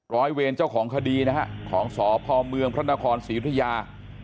ร้อยเวรเจ้าของคดีนะฮะของสพเมืองพระนครศรียุธยา